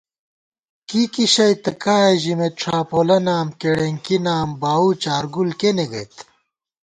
کِیکِی شئی تہ کائےژِمېت، ڄھاپولہ نام، کېڑېنکی نام، باؤو چارگُل کېنےگئیت